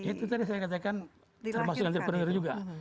itu tadi saya katakan termasuk entrepreneur juga